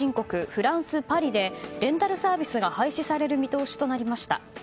フランス・パリでレンタルサービスが廃止される見通しとなりました。